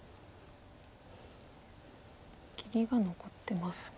切りが残ってますが。